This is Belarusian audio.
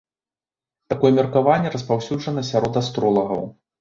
Такое меркаванне распаўсюджана сярод астролагаў.